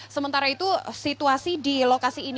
sementara itu situasi di lokasi ini